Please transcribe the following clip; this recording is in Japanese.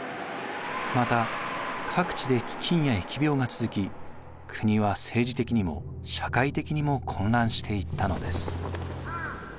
また各地で飢饉や疫病が続き国は政治的にも社会的にも混乱していったのです。